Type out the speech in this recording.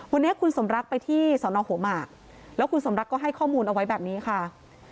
วันนี้คุณสมรักไปที่สอนอหัวหมากแล้วคุณสมรักก็ให้ข้อมูลเอาไว้แบบนี้ค่ะ